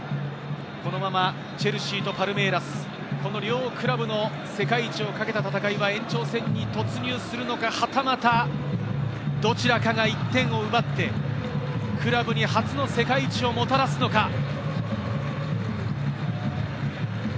このままチェルシーとパルメイラス、この量クラブの世界一を懸けた戦いは延長戦に突入するのか、はたまた、どちらかが１点を奪って、クラブに初の世界一をもたらすのか。